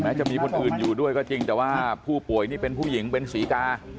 จะมีคนอื่นอยู่ด้วยก็จริงแต่ว่าผู้ป่วยนี่เป็นผู้หญิงเป็นศรีกา